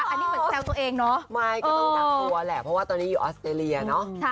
อันนี้เหมือนแซวตัวเองเนาะไม่ก็ต้องกักตัวแหละเพราะว่าตอนนี้อยู่ออสเตรเลียเนอะ